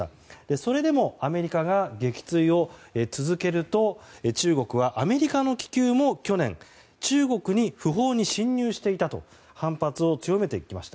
それでもアメリカが撃墜を続けると中国はアメリカの気球も去年中国に不法に侵入していたと反発を強めていきました。